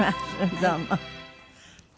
どうも。